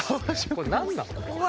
これ何なのこれ。